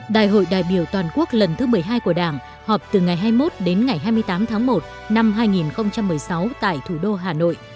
đại hội đại biểu toàn quốc lần thứ một mươi hai của đảng họp từ ngày hai mươi một đến ngày hai mươi tám tháng một năm hai nghìn một mươi sáu tại thủ đô hà nội